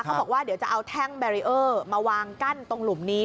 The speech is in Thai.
เขาบอกว่าเดี๋ยวจะเอาแท่งแบรีเออร์มาวางกั้นตรงหลุมนี้